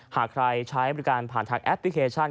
หากใครใช้บริการผ่านทางแอปพลิเคชัน